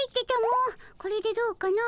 これでどうかの。